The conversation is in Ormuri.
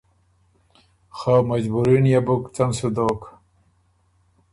خه مجبوري نيې بُک څۀ ن سُو دوک۔